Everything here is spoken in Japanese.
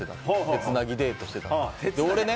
手つなぎデートしてたって。